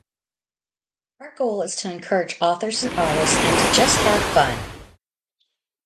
Our goal is to encourage authors and artists and to just have fun.